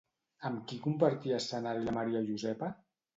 Amb qui compartia escenari la Maria Josepa?